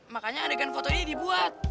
makanya adegan foto ini dibuat